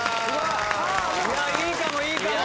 いいかもいいかも。